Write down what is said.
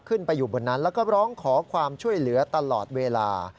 ขึ้นไปอยู่บนนั้นแล้วก็ร้องขอความช่วยเหลือตลอดเวลา